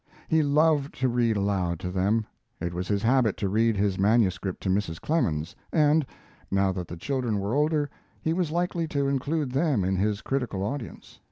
He loved to read aloud to them. It was his habit to read his manuscript to Mrs. Clemens, and, now that the children were older, he was likely to include them in his critical audience.